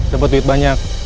dapat duit banyak